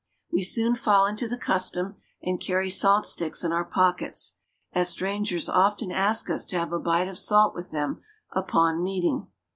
We soon fall into the custom and carry salt sticks in our pockets, as strangers often ask us to have a bite of salt with them upon meeting.